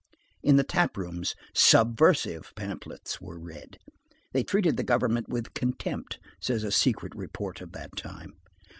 In the tap rooms, "subversive" pamphlets were read. They treated the government with contempt, says a secret report of that time.